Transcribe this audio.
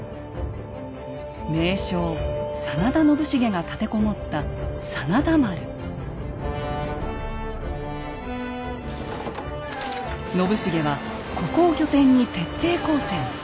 名将・真田信繁が立て籠もった信繁はここを拠点に徹底抗戦。